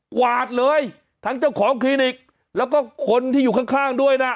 กวาดเลยทั้งเจ้าของคลินิกแล้วก็คนที่อยู่ข้างด้วยนะ